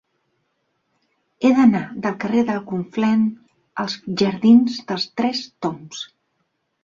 He d'anar del carrer del Conflent als jardins dels Tres Tombs.